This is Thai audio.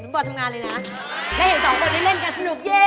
ลองไว้